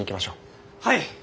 はい！